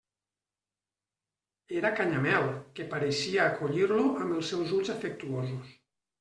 Era Canyamel, que pareixia acollir-lo amb els seus ulls afectuosos.